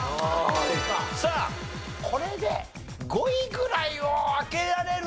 さあこれで５位ぐらいを開けられると。